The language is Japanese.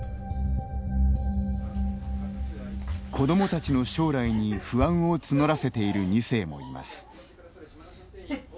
子どもたちの将来に不安を募らせている２世もいます。